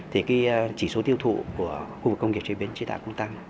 thì chỉ số tiêu thụ của khu vực công nghiệp chế biến chế tạo cũng tăng